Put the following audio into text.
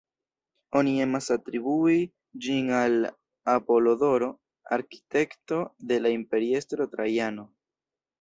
Oni emas atribui ĝin al Apolodoro, arkitekto de la imperiestro Trajano.